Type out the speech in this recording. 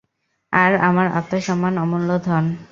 আর আমার আত্মসম্মান অমূল্য ধন।